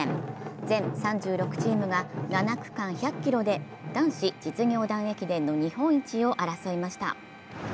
全３６チームが７区間１００ｋｍで男子実業団駅伝の日本一を争いました。